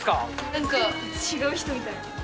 なんか違う人みたい。